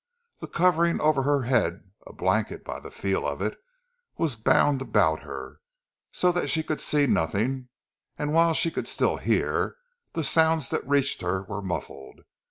The covering over her head, a blanket by the feel of it, was bound about her, so that she could see nothing, and whilst she could still hear, the sounds that reached her were muffled.